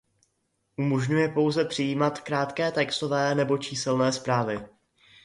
Umožňuje pouze přijímat krátké textové nebo číselné zprávy.